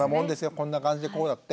こんな感じでこうだって。